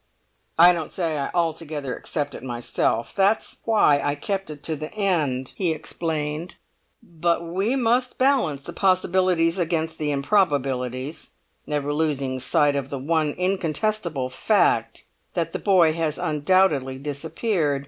"I don't say I altogether accept it myself; that's why I kept it to the end," he explained. "But we must balance the possibilities against the improbabilities, never losing sight of the one incontestable fact that the boy has undoubtedly disappeared.